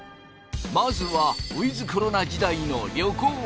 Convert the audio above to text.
まずはウィズコロナ時代の旅行。